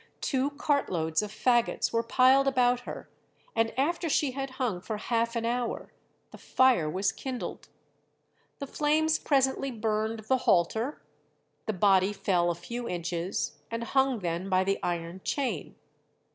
Two cart loads of faggots were piled about her, and after she had hung for half an hour the fire was kindled. The flames presently burned the halter, the body fell a few inches, and hung then by the iron chain.